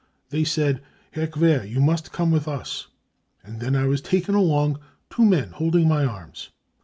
They said : 6 Herr Quer, you must come with ms, 3 and then I was taken along, two men holding my arms.